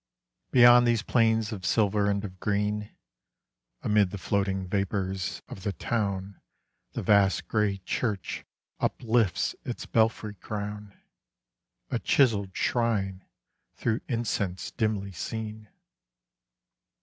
Beyond these plains of silver and of green, Amid the floating vapours of the town The vast grey church uplifts its belfry crown, A chiselled shrine through incense dimly seen.